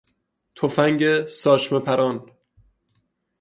تفنگ ساچمه پران